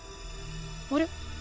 あれ？